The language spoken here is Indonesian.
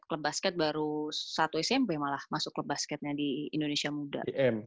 klub basket baru satu smp malah masuk klub basketnya di indonesia muda